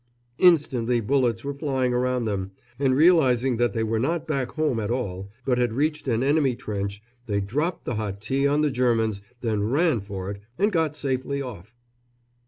Instantly bullets were flying around them, and realising that they were not back home at all, but had reached an enemy trench, they dropped the hot tea on the Germans, then ran for it and got safely off.